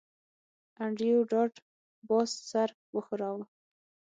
انډریو ډاټ باس سر وښوراوه